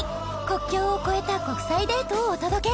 国境を超えた国際デートをお届け